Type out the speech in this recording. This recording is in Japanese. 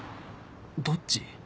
どっち？